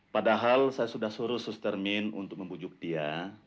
padahal saya sudah suruh sustermin untuk membujuk dia